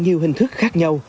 hình thức khác nhau